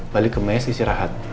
balik ke mes istirahat